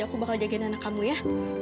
aku bakal jagain anak kamu ya